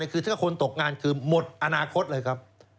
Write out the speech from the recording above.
คือถ้าคนตกงานคือหมดอนาคตเลยครับ